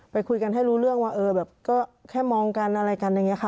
ไปคุยกันให้รู้เรื่องว่าเออแบบก็แค่มองกันอะไรกันอย่างนี้ค่ะ